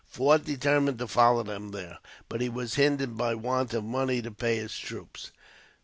Forde determined to follow them there, but he was hindered by want of money to pay his troops.